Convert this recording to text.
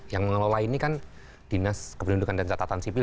yang mengelola ini kan dinas kependudukan dan catatan sipil